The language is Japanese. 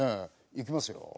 いきますよ。